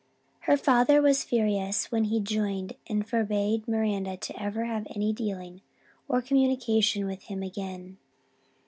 Her father was furious when he joined and forbade Miranda ever to have any dealing or communication with him again.